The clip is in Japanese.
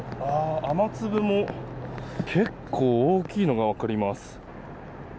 雨粒も結構大きいのが分かります。